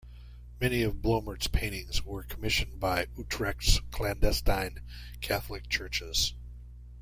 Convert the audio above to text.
Many of Bloemaert's paintings were commissioned by Utrecht's clandestine Catholic churches.